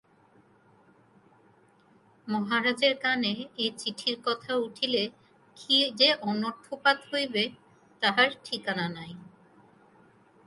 মহারাজের কানে এ চিঠির কথা উঠিলে কী যে অনর্থপাত হইবে তাহার ঠিকানা নাই।